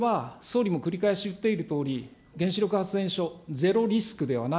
それは、総理も繰り返し言っているとおり、原子力発電所、ゼロリスクではない。